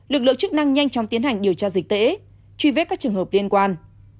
lực lượng chức năng nhanh chóng tiến hành điều tra dịch tễ truy vết các trường hợp liên quan